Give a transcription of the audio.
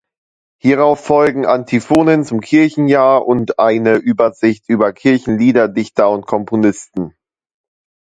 Hierauf folgen Antiphonen zum Kirchenjahr und eine Übersicht über Kirchenliederdichter und -komponisten.